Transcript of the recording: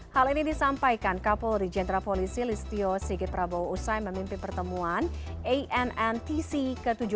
hal ini disampaikan kapolri jenderal polisi listio sigit prabowo usai memimpin pertemuan anntc ke tujuh belas